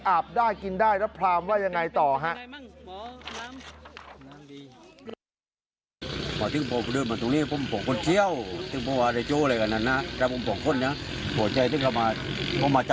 อาบได้กินได้แล้วพรามว่ายังไงต่อฮะ